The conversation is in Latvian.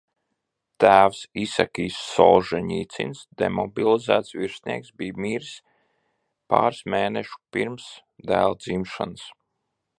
Tēvs, Isakijs Solžeņicins, demobilizēts virsnieks, bija miris pāris mēnešu pirms dēla dzimšanas.